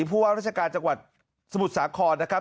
ผู้ว่าราชการจังหวัดสมุทรสาครนะครับ